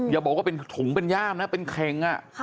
อย่าบอกว่าถุงเป็นย่ามนะเป็นเครงอ่ะ